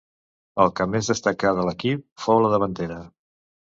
El que més destacà de l'equip fou la davantera.